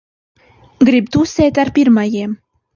Grib tusēt ar pirmajiem.